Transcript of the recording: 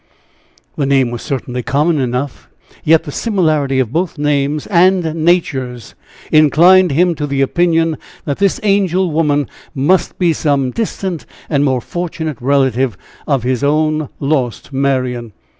The name was certainly common enough, yet the similarity of both names and natures inclined him to the opinion that this angel woman must be some distant and more fortunate relative of his own lost Marian.